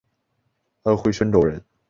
安徽宣州人。